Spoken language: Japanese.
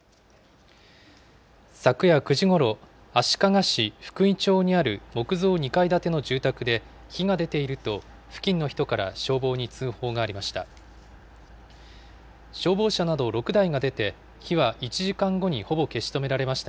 昨夜９時ごろ、足利市福居町にある木造２階建ての住宅で火が出ていると、付近の人から消防に通報がありました。